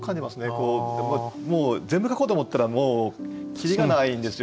もう全部書こうと思ったらもう切りがないんですよ。